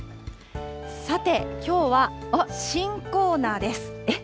さて、きょうは新コーナーです。